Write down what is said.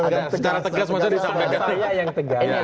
secara tegas masya allah